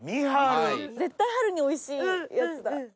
絶対春においしいやつだ。